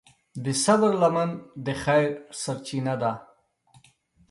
د صبر لمن د خیر سرچینه ده.